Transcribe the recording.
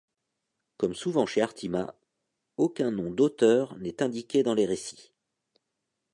Comme souvent chez Artima, aucun nom d'auteur n'est indiqué dans les récits.